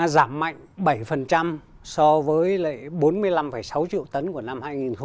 giảm mạnh bảy so với lệ bốn mươi năm sáu triệu tấn của năm hai nghìn một mươi chín